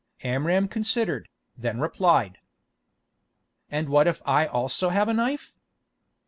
Amram considered, then replied: "And what if I also have a knife?"